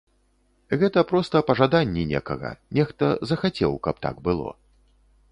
Гэта проста пажаданне некага, нехта захацеў, каб так было.